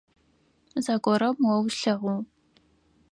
Зэгорэм о услъэгъугъ.